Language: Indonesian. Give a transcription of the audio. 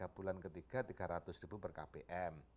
tiga bulan ketiga tiga ratus ribu per kpm